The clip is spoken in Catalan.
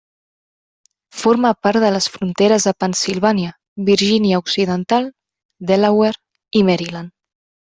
Forma part de les fronteres de Pennsilvània, Virgínia Occidental, Delaware i Maryland.